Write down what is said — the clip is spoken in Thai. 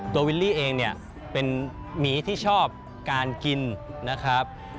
วิลลี่เองเนี่ยเป็นหมีที่ชอบการกินนะครับ